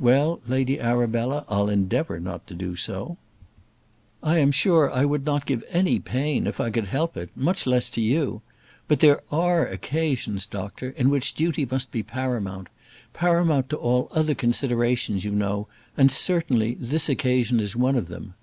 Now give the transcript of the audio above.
"Well, Lady Arabella, I'll endeavour not to do so." "I am sure I would not give any pain if I could help it, much less to you. But there are occasions, doctor, in which duty must be paramount; paramount to all other considerations, you know, and, certainly, this occasion is one of them."